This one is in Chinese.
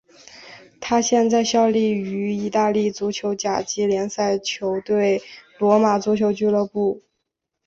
他现在效力于意大利足球甲级联赛球队罗马足球俱乐部。